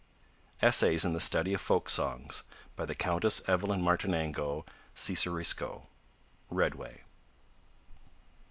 Essays in the Study of Folk Songs. By the Countess Evelyn Martinengo Cesaresco. (Redway.)